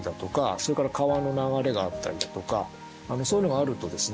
それから川の流れがあったりだとかそういうのがあるとですね